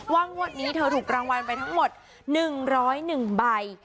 งวดนี้เธอถูกรางวัลไปทั้งหมด๑๐๑ใบ